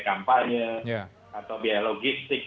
kampanye atau biaya logistik